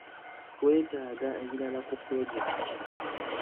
Twetaaga ebirala ku pulojekiti.